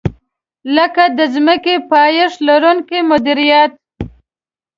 لکه د ځمکې پایښت لرونکې مدیریت.